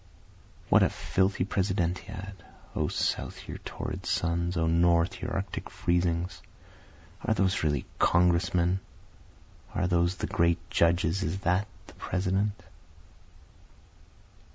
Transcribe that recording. What a filthy Presidentiad! (O South, your torrid suns! O North, your arctic freezings!) Are those really Congressmen? are those the great Judges? is that the President?